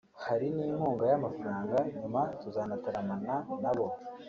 hari n’inkunga y’amafaranga nyuma tuzanataramana nabo